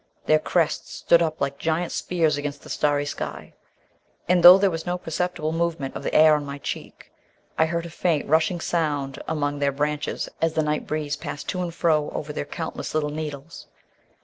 Their crests stood up like giant spears against the starry sky; and though there was no perceptible movement of the air on my cheek I heard a faint, rushing sound among their branches as the night breeze passed to and fro over their countless little needles.